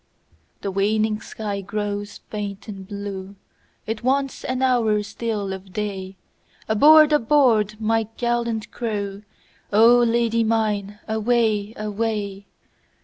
The waning sky grows faint and blue, It wants an hour still of day, Aboard! aboard! my gallant crew,O Lady mine away! away!